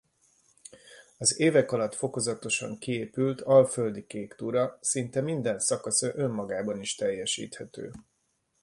Az évek alatt fokozatosan kiépült Alföldi Kéktúra szinte minden szakasza önmagában is teljesíthető.